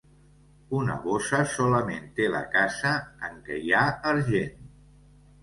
Una bossa solament té la casa en què hi ha argent.